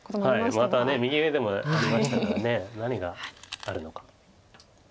また右上でもありましたから何があるのか。